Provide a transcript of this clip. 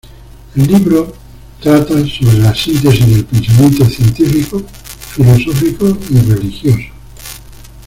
El libro trata sobre la síntesis del pensamiento científico, filosófico y religioso.